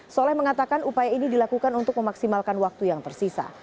soleh mengatakan upaya ini dilakukan untuk memaksimalkan waktu yang tersisa